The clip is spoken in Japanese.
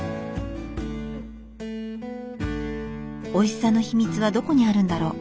おいしさの秘密はどこにあるんだろう。